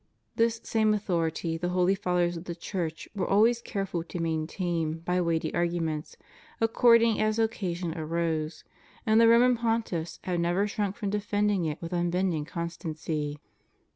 * This same authority the holy Fathers of the Church were always careful to maintain by weighty arguments, accord ing as occasion arose, and the Roman Pontiffs have never shrunk from defending it with unbending constancy.